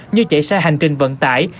như chạy xa hành trình vận tải